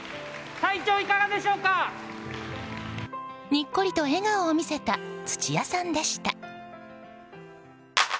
にっこりと笑顔を見せた土屋さんでした。